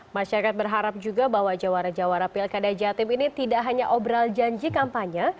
masyarakat berharap juga bahwa jawara jawara pilkada jatim ini tidak hanya obral janji kampanye